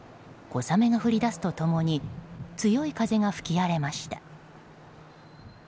小雨が降りだすと共に強い風が吹き荒れました。